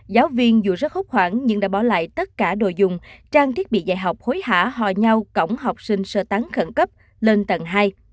giáo viên dù rất khốc khoảng nhưng đã bỏ lại tất cả đồ dùng trang thiết bị dạy học hối hả hò nhau cõng học sinh sơ tán khẩn cấp lên tầng hai